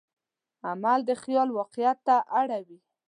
عمل د خیال واقعیت ته اړوي.